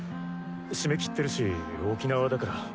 しめきってるし沖縄だから。